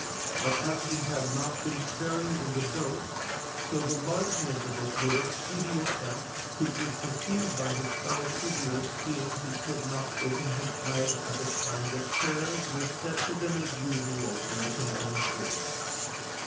But as he had not been sparing in the dose, so the largeness of it made a speedy effect, which was perceived by his fellow prisoners seeing he could not open his eyes at the time that prayers were said to them as usual in the condemned hold.